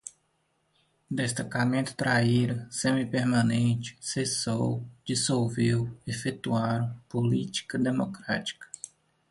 Destacamento Traíra, semi-permanentes, cessou, dissolveu, efetuaram, política-democrática